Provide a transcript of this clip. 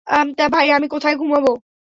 ভাই, আমি কোথায় ঘুমাবো?